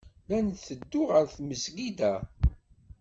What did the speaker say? La nteddu ar tmesgida.